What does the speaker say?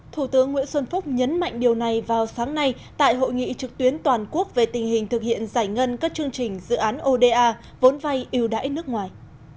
thủ tướng nguyễn xuân phúc nhấn mạnh điều này vào sáng nay tại hội nghị trực tuyến toàn quốc về tình hình thực hiện giải ngân các chương trình dự án oda vốn vay ưu đãi nước ngoài